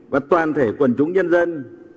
và toàn thể quần chúng nhân dân